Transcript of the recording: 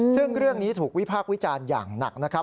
ซึ่งเรื่องนี้ถูกวิพากษ์วิจารณ์อย่างหนักนะครับ